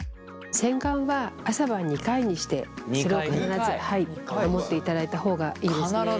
洗顔は朝晩２回にしてそれを必ず守っていただいた方がいいですね。